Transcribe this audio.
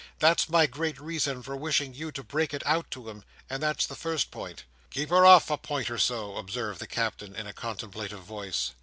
That's my great reason for wishing you to break it out to him; and that's the first point." "Keep her off a point or so!" observed the Captain, in a contemplative voice.